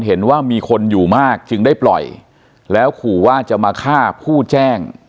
เห็นว่ามีคนอยู่มากจึงได้ปล่อยแล้วขู่ว่าจะมาฆ่าผู้แจ้ง